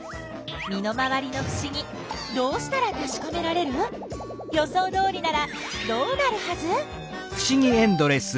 身の回りのふしぎどうしたらたしかめられる？予想どおりならどうなるはず？